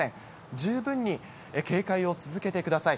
十分に警戒を続けてください。